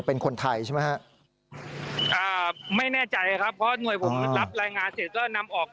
เป็นคนไทยใช่ไหมฮะอ่าไม่แน่ใจครับเพราะหน่วยผมรับรายงานเสร็จก็นำออก